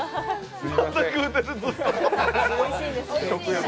まだ食うてる、ずっと。